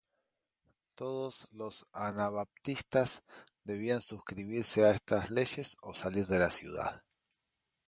Todos los anabaptistas debían suscribirse a estas leyes o salir de la ciudad.